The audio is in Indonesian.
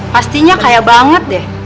pastinya kaya banget deh